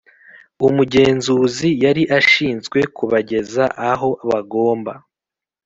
Umugenzuzi yari ashinzwe kubageza aho bagomba